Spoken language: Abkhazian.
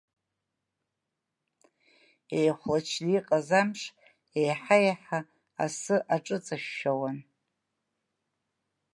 Еихәлачны иҟаз амш еиҳа-еиҳа асы аҿыҵышәшәауан.